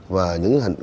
và những hành